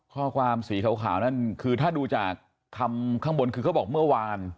ข้อความสีขาวนั่นคือถ้าดูจากคำข้างบนคือเขาบอกเมื่อวาน